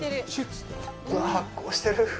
うわ、発酵してる。